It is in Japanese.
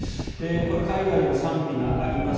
これ、海外でも賛否があります。